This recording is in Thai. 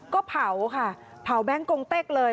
ก็เผาค่ะเผาแบงค์กงเต็กเลย